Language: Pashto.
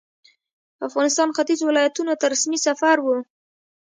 افغانستان ختیځو ولایتونو ته رسمي سفر وو.